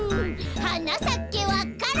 「はなさけわか蘭」